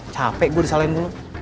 capek gue disalahin dulu